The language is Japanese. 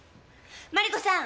マリコさん！